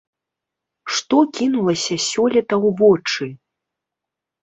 Што кінулася сёлета ў вочы?